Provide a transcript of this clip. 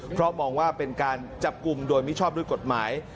เพราะมองว่าเป็นการจับกลุ่มโดยมิชอบด้วยกฎหมาย